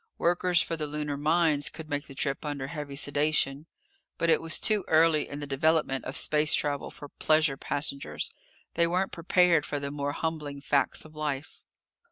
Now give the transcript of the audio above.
Workers for the lunar mines could make the trip under heavy sedation. But it was too early in the development of space travel for pleasure passengers. They weren't prepared for the more humbling facts of life.